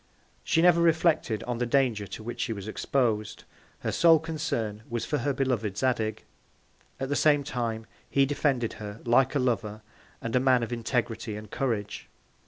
She never reflected on the Danger to which she was expos'd; her sole Concern was for her beloved Zadig. At the same Time, he defended her, like a Lover, and a Man of Integrity and Courage.